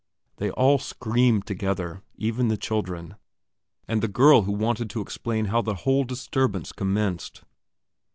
They all screamed together, even the children, and the girl who wanted to explain how the whole disturbance commenced.